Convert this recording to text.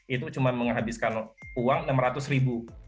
itu cuma menghabiskan uang rp enam ratus